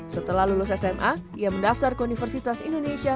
setelah lulus sma ia mendaftar ke universitas indonesia